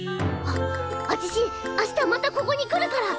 あちしあしたまたここに来るから。